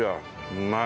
うまい。